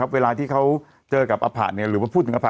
เวลาที่เขาเจอกับอภะหรือว่าพูดถึงอภ